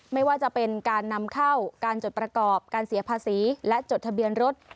ไม่ว่าจะเป็นการนำเข้าการจดประกอบการเสียภาษีและจดทะเบียนรถ